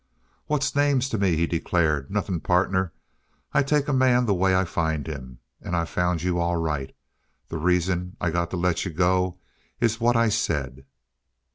"What's names to me?" he declared. "Nothing, partner. I take a man the way I find him. And I've found you all right. The reason I got to let you go is what I said."